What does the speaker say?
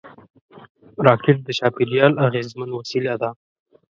راکټ د چاپېریال اغېزمن وسیله ده